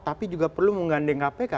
tapi juga perlu menggandeng kpk